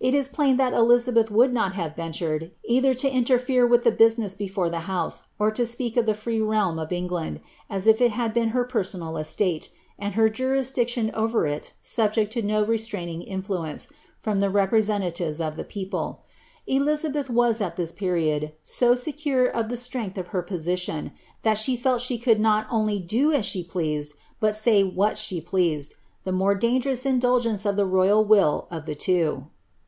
it is plain that Elizabeth wnokl not have ventured either i tlie businew before the bouse, or to speak of the free re . a« if it had been her perNaal estate, and her juriadictJOi. set to ao resuaioing inflaepM from (he representatives of .,^„,.,.. EliMbclh was, at this perii I. so secure of the strength of her position, that she fell she could not only do as she pleased, but say aliat she pleased ; the more dangerous indulgence of the royal will of the (wo.